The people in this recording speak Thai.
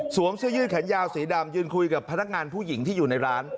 เสื้อยืดแขนยาวสีดำยืนคุยกับพนักงานผู้หญิงที่อยู่ในร้าน